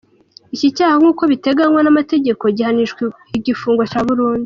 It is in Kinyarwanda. Iki cyaha nkuko biteganywa n’amategeko gihanishwa igifungo cya burundu.